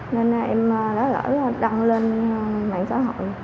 nên em đã lỡ đăng lên mạng xã hội